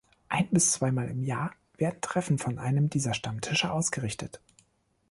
Ein- bis zweimal im Jahr werden Treffen von einem dieser Stammtische ausgerichtet.